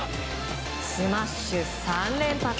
スマッシュ３連発。